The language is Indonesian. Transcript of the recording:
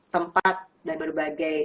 tempat dan berbagai